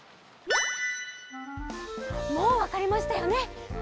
もうわかりましたよね？